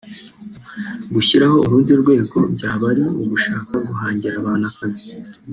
gushyiraho urundi rwego ngo byaba ari ugushaka guhangira abantu akazi